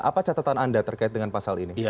apa catatan anda terkait dengan pasal ini